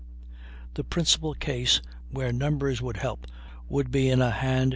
The principal case where numbers would help would be in a hand to hand fight.